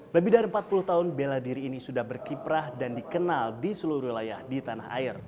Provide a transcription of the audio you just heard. lebih dari empat puluh tahun bela diri ini sudah berkiprah dan dikenal di seluruh wilayah di tanah air